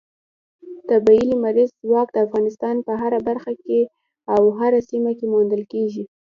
طبیعي لمریز ځواک د افغانستان په هره برخه او هره سیمه کې موندل کېږي.